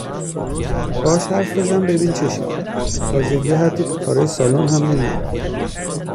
باهاش حرف بزن، ببین چشه؟ تازگیا حتی تو کارای سالن هم نمی آد